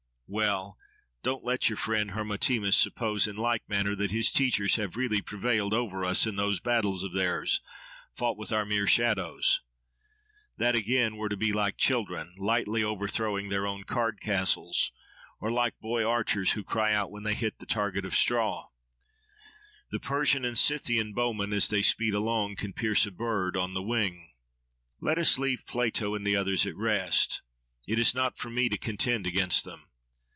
Well! don't let your friend Hermotimus suppose, in like manner, that his teachers have really prevailed over us in those battles of theirs, fought with our mere shadows. That, again, were to be like children, lightly overthrowing their own card castles; or like boy archers, who cry out when they hit the target of straw. The Persian and Scythian bowmen, as they speed along, can pierce a bird on the wing.' —Let us leave Plato and the others at rest. It is not for me to contend against them.